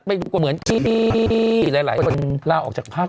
เป็นเหมือนหลายคนลาออกจากภักดิ์